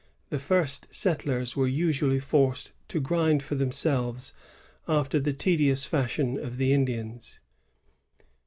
The first settlers were usually forced to grind for themselves after the tedious fashion of the Indians.